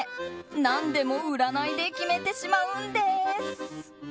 何でも占いで決めてしまうんです。